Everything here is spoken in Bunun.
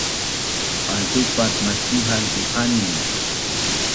Altupat macihal diqanin